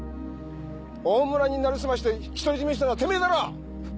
オオムラに成りすまして独り占めしたのはてめえだろ！！